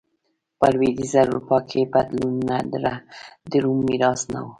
په لوېدیځه اروپا کې بدلونونه د روم میراث نه و